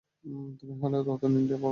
তুমিই হলে নতুন ইন্ডিয়া, বলরাম।